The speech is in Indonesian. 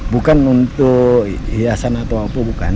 bukan untuk hiasan atau apa bukan